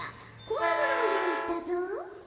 こんなものを用意したぞ。